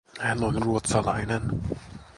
Hän on ruotsalainen.